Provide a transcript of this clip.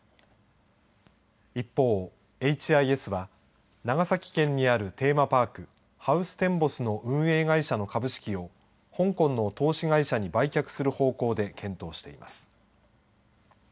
一方、エイチ・アイ・エスは長崎県にあるテーマパークハウステンボスの運営会社の株式を香港の投資会社に売却する方向で検討しています。